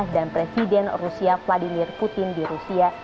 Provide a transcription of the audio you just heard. dan presiden rusia vladimir putin di rusia